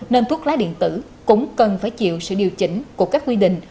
nên thuốc lá điện tử cũng cần phải chịu sự điều chỉnh của các quy định